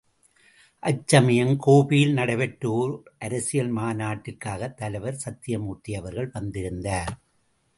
அச்சமயம் கோபியில் நடைபெற்ற ஓர் அரசியல் மாநாட்டிற்காகத் தலைவர் சத்யமூர்த்தி அவர்கள் வந்திருந்தார்.